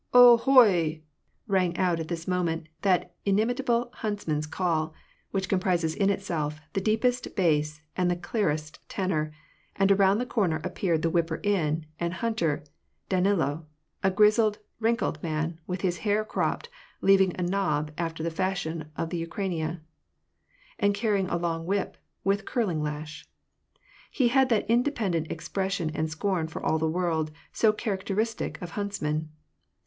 " 0 hoi I " rang out at this moment that inimitable hunts man's call, which comprises in itself the deepest bass and* the clearest tenor, and around the corner appeared the whipper in and hunter, Danilo : a grizzled, wrinkled man, with bis hair cropped, leaving a knob, after the fashion of the Ukraina, and carrying a long whip, with curling lash. He had that independent expression and scorn for all the world, so charac teristic of huntsmen.